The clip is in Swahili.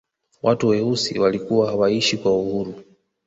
watu weusi walikuwa hawaishi kwa uhuru